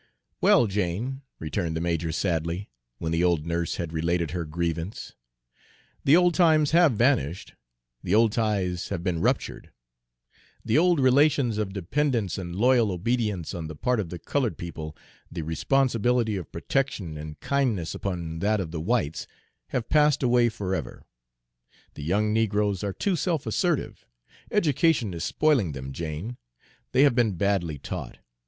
"Well, Jane," returned the major sadly, when the old nurse had related her grievance, "the old times have vanished, the old ties have been ruptured. The old relations of dependence and loyal obedience on the part of the colored people, the responsibility of protection and kindness upon that of the whites, have passed away forever. The young negroes are too self assertive. Education is spoiling them, Jane; they have been badly taught.